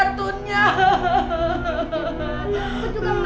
adam jangan duduk lagi ya